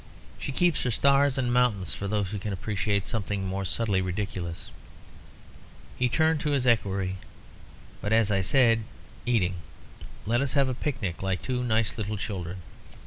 She keeps her stars and mountains for those who can appreciate something more subtly ridiculous." He turned to his equerry. "But, as I said 'eating,' let us have a picnic like two nice little children.